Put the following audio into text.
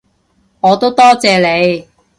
我都多謝你